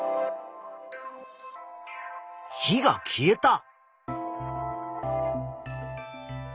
火が消えた。